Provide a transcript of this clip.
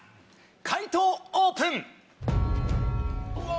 解答オープン！